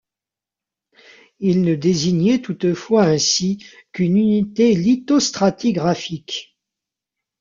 Il ne désignait toutefois ainsi qu'une unité lithostratigraphique.